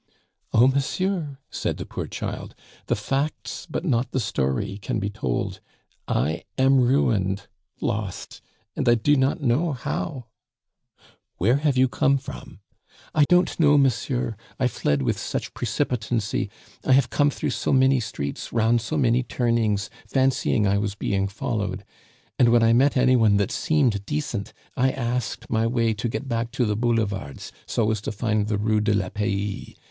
"Oh, monsieur," said the poor child, "the facts but not the story can be told I am ruined, lost, and I do not know how " "Where have you come from?" "I don't know, monsieur. I fled with such precipitancy, I have come through so many streets, round so many turnings, fancying I was being followed. And when I met any one that seemed decent, I asked my way to get back to the Boulevards, so as to find the Rue de la Paix.